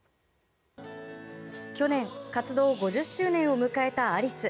去年、活動５０周年を迎えたアリス。